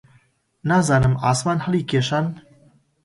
نازانم عاسمان هەڵیکێشان؟